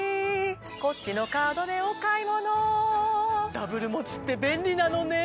こっちのカードでお買い物Ｗ持ちって便利なのね。